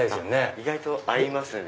意外と合いますね。